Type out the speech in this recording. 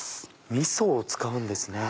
みそを使うんですね。